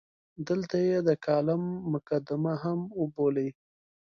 دلته یې د کالم مقدمه هم وبولئ.